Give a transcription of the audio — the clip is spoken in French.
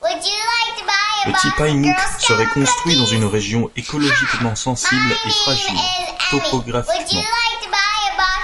Le Tipaimukh serait construit dans une région écologiquement sensible et fragile topographiquement.